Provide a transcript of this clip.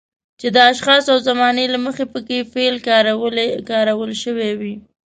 چې د اشخاصو او زمانې له مخې پکې فعل کارول شوی وي.